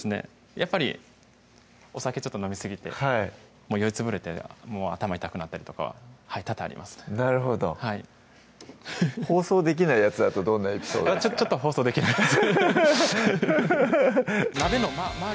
やっぱりお酒飲みすぎて酔いつぶれて頭痛くなったりとか多々ありますなるほどはい放送できないやつだとどんなエピソードがちょっと放送できないです